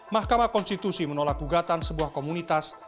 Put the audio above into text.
mahkamah konstitusi menolak gugatan sebuah komunitas